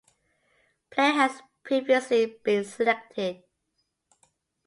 Player has previously been selected.